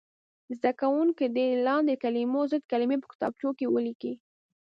زده کوونکي دې د لاندې کلمو ضد کلمې په کتابچو کې ولیکي.